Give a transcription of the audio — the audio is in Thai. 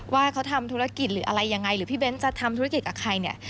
ว่าเขาทำธุรกิจหรืออะไรยังไงหรือพี่เบ้นจะทำธุรกิจกับใครเนี่ย